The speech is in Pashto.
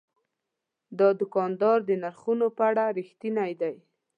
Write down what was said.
دا دوکاندار د نرخونو په اړه رښتینی دی.